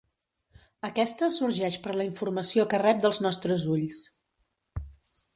Aquesta sorgeix per la informació que rep dels nostres ulls.